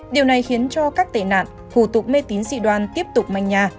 điều này khiến cho các tệ nạn hủ tục mê tín dị đoan tiếp tục manh nha